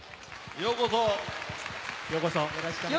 ようこそ。